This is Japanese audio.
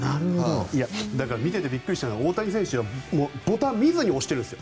見ていてびっくりしたのは大谷選手がボタンを見ずに押してるんです